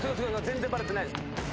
全然バレてない。